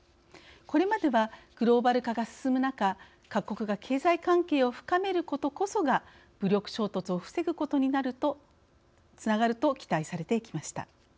これまではグローバル化が進む中各国が経済関係を深めることこそが武力衝突を防ぐことにつながると期待されてきました。